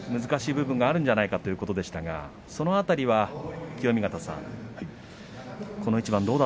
難しい部分があるんじゃないかということでしたがその辺りはいかがでした？